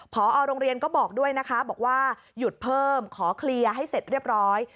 พอโรงเรียนก็บอกด้วยนะคะบอกว่าหยุดเพิ่มขอเคลียร์ให้เสร็จเรียบร้อย